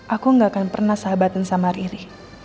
aku nggak akan pernah sahabatan sama riri